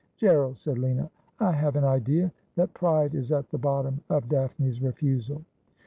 ' G erald,' said Lina, ' I have an idea that pride is at the bottom of Daphne's refusal.'